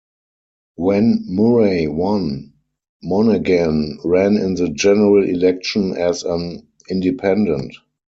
When Murray won, Monaghan ran in the general election as an independent.